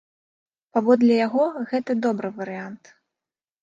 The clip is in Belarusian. Паводле яго, гэта добры варыянт.